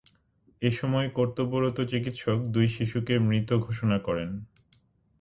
এ সময় কর্তব্যরত চিকিৎসক দুই শিশুকে মৃত ঘোষণা করেন।